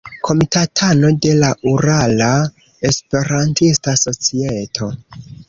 Komitatano de la Urala Esperantista Societo.